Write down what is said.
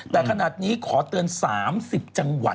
แต่ขนาดนี้ขอเตือน๓๐จังหวัด